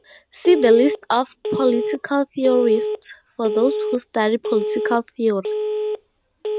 See the list of political theorists for those who study political theory.